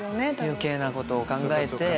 余計なことを考えて。